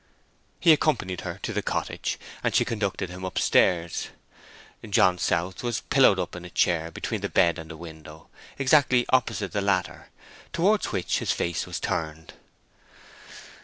He accompanied her to the cottage, and she conducted him upstairs. John South was pillowed up in a chair between the bed and the window exactly opposite the latter, towards which his face was turned.